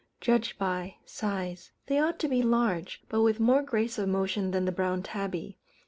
Judged by: Size. They ought to be large, but with more grace of motion than the Brown Tabby.